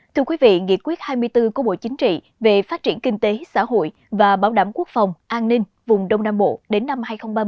thưa quý vị nghị quyết hai mươi bốn của bộ chính trị về phát triển kinh tế xã hội và bảo đảm quốc phòng an ninh vùng đông nam bộ đến năm hai nghìn ba mươi